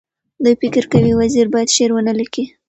دوی فکر کوي وزیر باید شعر ونه لیکي.